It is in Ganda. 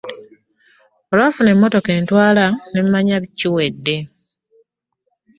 Olwafuna emmotoka entwala ne mmanya biwedde.